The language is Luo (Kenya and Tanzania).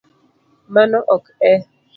Mano ok e